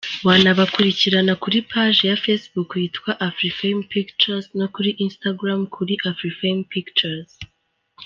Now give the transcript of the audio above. Wanabakurikirana kuri page ya Facebook yitwa Afrifame Pictures no kuri Instagram kuri AfrifamePictures.